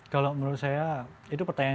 kalau menurut saya itu pertanyaan